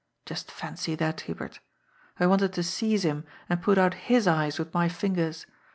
Just fancy that, Hubert I wanted to seize him and put out his eyes with my fingers.